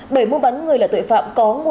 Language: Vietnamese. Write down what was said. bởi mua bán người là tội phạm mua bán người